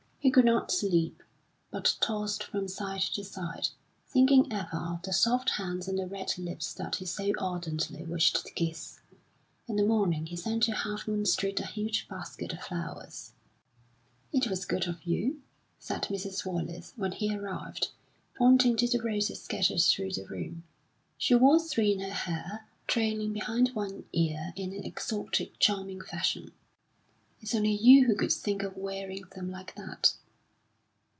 He could not sleep, but tossed from side to side, thinking ever of the soft hands and the red lips that he so ardently wished to kiss. In the morning he sent to Half Moon Street a huge basket of flowers. "It was good of you," said Mrs. Wallace, when he arrived, pointing to the roses scattered through the room. She wore three in her hair, trailing behind one ear in an exotic, charming fashion. "It's only you who could think of wearing them like that."